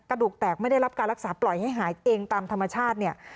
กระดูกแตกไม่ได้รับการรักษาปล่อยให้หายเองตามธรรมชาติเนี่ย